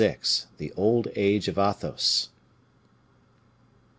The Old Age of Athos.